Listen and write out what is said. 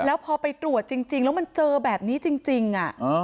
แล้วพอไปตรวจจริงแล้วมันเจอแบบนี้จริง